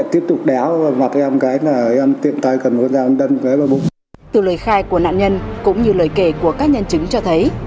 từ lời khai của nạn nhân cũng như lời kể của các nhân chứng cho thấy